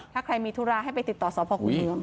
ถ้าใครมีธุระให้ไปติดต่อสพครูเมือง